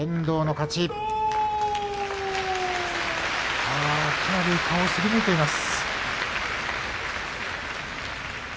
かなり顔をすりむいています。